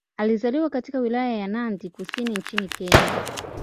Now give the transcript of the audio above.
Alizaliwa katika Wilaya ya Nandi Kusini nchini Kenya.